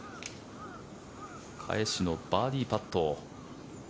返しのバーディーパット。